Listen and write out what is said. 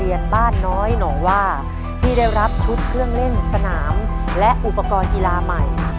บ้านน้อยหนองว่าที่ได้รับชุดเครื่องเล่นสนามและอุปกรณ์กีฬาใหม่